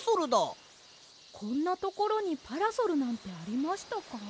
こんなところにパラソルなんてありましたか？